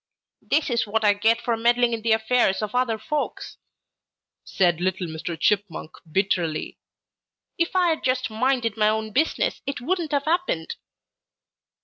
"'This is what I get for meddling in the affairs of other folks!' said little Mr. Chipmunk bitterly. 'If I'd just minded my own business, it wouldn't have happened.'